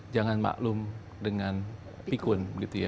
jangan maklum dengan pikun